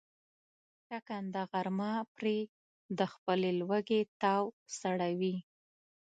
ټکنده غرمه پرې د خپلې لوږې تاو سړوي.